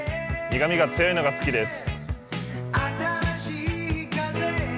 苦みが強いのが好きです。